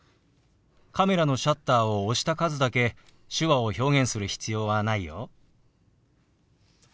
カメラのシャッターを押した数だけ手話を表現する必要はないよ。